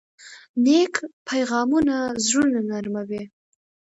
نیک پیغامونه زړونه نرموي.